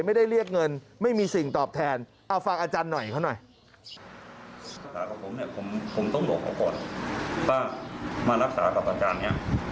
เรียกเงินไม่มีสิ่งตอบแทนเอาฟังอาจารย์หน่อยเขาหน่อย